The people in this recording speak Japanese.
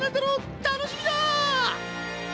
⁉楽しみだ！